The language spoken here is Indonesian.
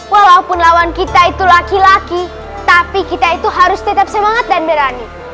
walaupun lawan kita itu laki laki tapi kita itu harus tetap semangat dan berani